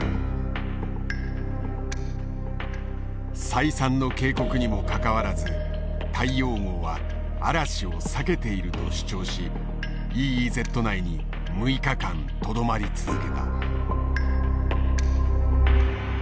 再三の警告にもかかわらず大洋号は嵐を避けていると主張しＥＥＺ内に６日間とどまり続けた。